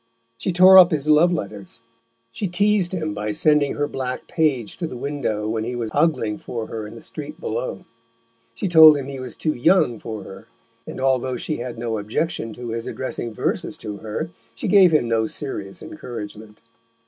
She tore up his love letters, she teased him by sending her black page to the window when he was ogling for her in the street below, she told him he was too young for her, and although she had no objection to his addressing verses to her, she gave him no serious encouragement.